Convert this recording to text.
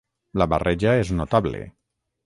La barreja és notable.